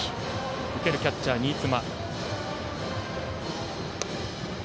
受けるキャッチャー、新妻。